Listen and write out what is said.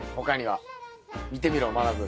見てみろまなぶ。